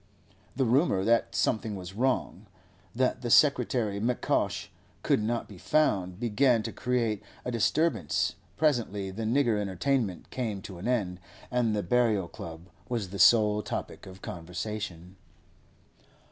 The rumour that something was wrong, that the secretary M'Cosh could not be found, began to create a disturbance; presently the nigger entertainment came to an end, and the Burial Club was the sole topic of conversation.